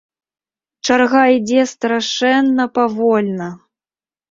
Чарга ідзе страшэнна павольна!